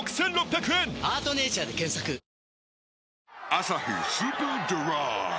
「アサヒスーパードライ」